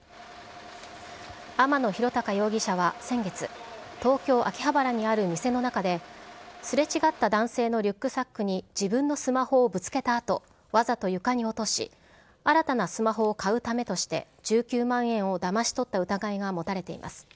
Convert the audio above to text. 天野博貴容疑者は先月、東京・秋葉原にある店の中で、すれ違った男性のリュックサックに自分のスマホをぶつけたあと、わざと床に落とし、新たなスマホを買うためとして１９万円をだまし取った疑いが持たれています。